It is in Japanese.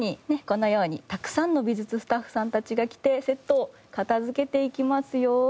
このようにたくさんの美術スタッフさんたちが来てセットを片付けていきますよ。